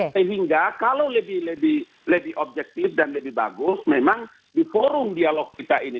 sehingga kalau lebih objektif dan lebih bagus memang di forum dialog kita ini